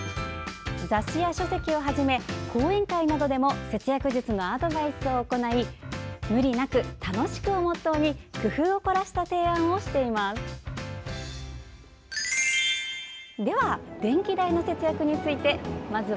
雑誌や書籍をはじめ講演会などでも節約術のアドバイスを行い「無理なく楽しく！」をモットーに工夫を凝らした提案をしています。